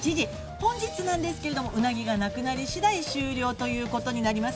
本日なんですけれども、うなぎがなくなり次第終了ということになります。